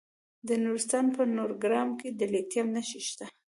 د نورستان په نورګرام کې د لیتیم نښې شته.